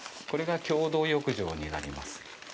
これが共同浴場になります。